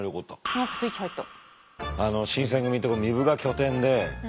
何かスイッチ入った。